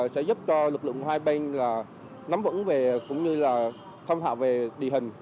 sẽ giúp cho lực lượng hai bên nắm vững và thông thạo về địa hình